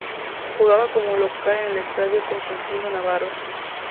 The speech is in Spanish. Jugaba como local en el Estadio Constantino Navarro.